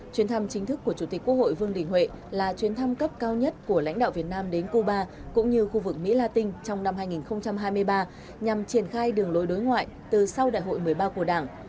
chuyến thăm chính thức của chủ tịch quốc hội vương đình huệ là chuyến thăm cấp cao nhất của lãnh đạo việt nam đến cuba cũng như khu vực mỹ la tinh trong năm hai nghìn hai mươi ba nhằm triển khai đường lối đối ngoại từ sau đại hội một mươi ba của đảng